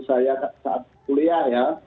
saya saat kuliah ya